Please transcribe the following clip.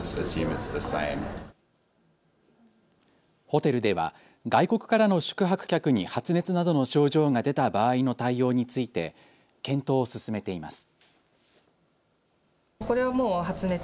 ホテルでは外国からの宿泊客に発熱などの症状が出た場合の対応について検討を進めています。